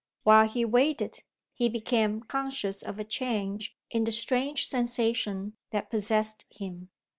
While he waited, he became conscious of a change in the strange sensations that possessed him.